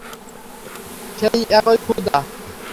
সেই একই ক্ষুধা।